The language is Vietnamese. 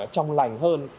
trong lành hơn